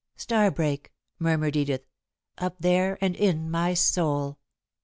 "Starbreak," murmured Edith, "up there and in my soul."